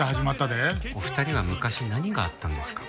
お二人は昔何があったんですか？